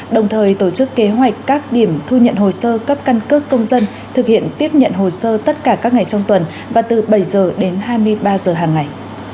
đồng thời tổ chức kế hoạch các điểm thu nhận hồ sơ cấp căn cước công dân thực hiện tiếp nhận hồ sơ tất cả các ngày trong tuần và từ bảy h đến hai mươi ba h hàng ngày